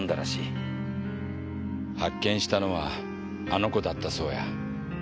発見したのはあの子だったそうや。